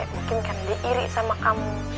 mungkin karena dia iri sama kamu